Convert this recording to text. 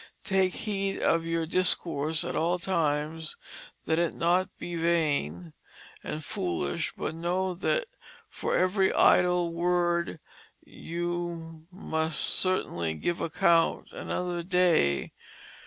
Take heed of your discourse at all times that it be not vaine and foolish but know that for every idle word you must certainly give account another day.